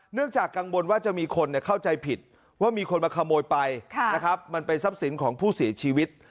จากกังวลว่าจะมีคนเข้าใจผิดว่ามีคนมาขโมยไปนะครับมันเป็นทรัพย์สินของผู้เสียชีวิต